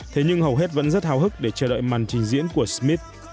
thế nhưng hầu hết vẫn rất hào hức để chờ đợi màn trình diễn của smith